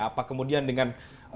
apa kemudian dengan